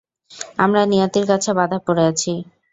আমরা নিয়তির কাছে বাঁধা পড়ে আছি!